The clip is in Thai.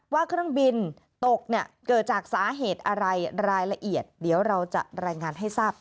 ว่าเครื่องบินตกเกิดจากสาเหตุอะไรรายละเอียด